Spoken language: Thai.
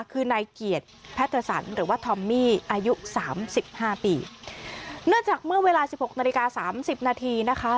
คือนายเกียรติแพทย์สันหรือว่าทอมมี่อายุ๓๕ปีเนื่องจากเมื่อเวลา๑๖นาฬิกา๓๐นาทีนะคะ